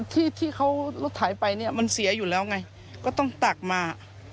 ที่เขารถถ่ายไปเนี่ยมันเสียอยู่แล้วไงก็ต้องตักมา